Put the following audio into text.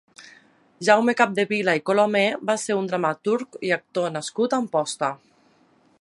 Jaume Capdevila i Colomer va ser un dramaturg i actor nascut a Amposta.